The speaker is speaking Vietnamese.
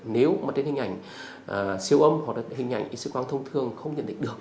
nếu mà trên hình ảnh siêu âm hoặc hình ảnh xếp khoáng thông thường không nhận định được